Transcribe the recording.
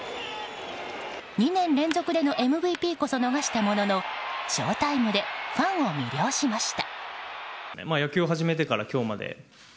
２年連続でのＭＶＰこそ逃したもののショウタイムでファンを魅了しました。